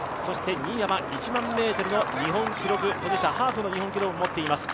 新谷は１００００ｍの日本記録保持者、ハーフの日本記録も持っています。